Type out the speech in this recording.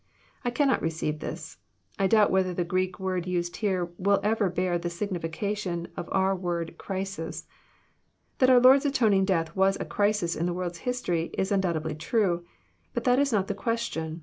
I cannot receive this. I doubt whether the Greek word used here, will ever bear the signification of our word *' crisis." That our Lord*s atoning death was a crisis in the world's history, Is undoubtedly true. But that is not the question.